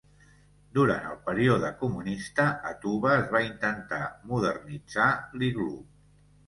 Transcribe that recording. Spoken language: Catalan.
Durant el període comunista a Tuva es va intentar "modernitzar" l'iglú.